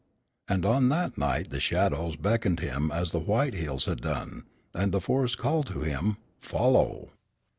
and on that night the shadows beckoned him as the white hills had done, and the forest called to him, "Follow."